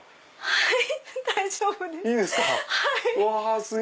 はい。